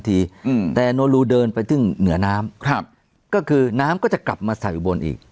อืมแต่โนรูเดินไปถึงเหนือน้ำครับก็คือน้ำก็จะกลับมาใส่อุบลอีก